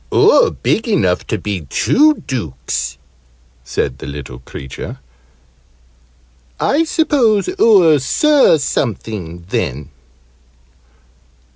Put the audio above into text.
"Oo're big enough to be two Dukes," said the little creature. "I suppose oo're Sir Something, then?"